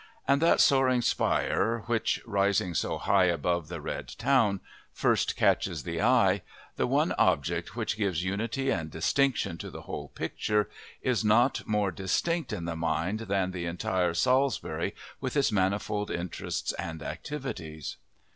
And that soaring spire which, rising so high above the red town, first catches the eye, the one object which gives unity and distinction to the whole picture, is not more distinct in the mind than the entire Salisbury with its manifold interests and activities.